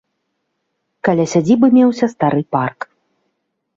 Каля сядзібы меўся стары парк.